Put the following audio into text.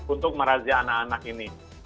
untuk merazia anak anak ini